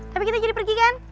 tapi kita jadi pergi kan